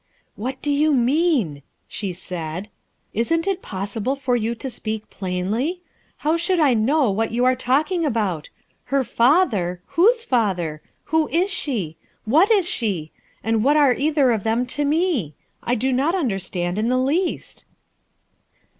"What do you mean?" she said. "Isn't it possible for you to speak plainly ? How should 20G RUTU ERSKINE'S SON I know what you arc talking about? H er 1 father 1 1 Whose father? Who is she? What is she? And what are either of them to me? i do not understand in the least."